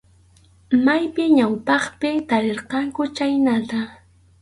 Maypim ñawpaqpi tarirqanku chaykama.